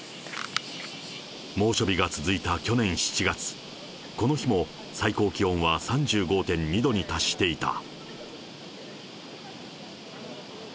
猛暑日が続いた去年７月、この日も最高気温は３５．２度に達していた。